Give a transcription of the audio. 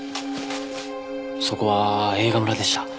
そこは映画村でした。